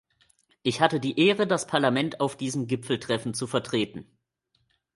Ich hatte die Ehre, das Parlament auf diesem Gipfeltreffen zu vertreten.